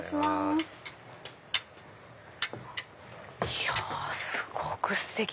いやすごくステキ。